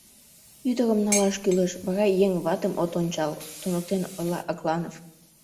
— Ӱдырым налаш кӱлеш, вара еҥ ватым от ончал, — туныктен ойла Акланов.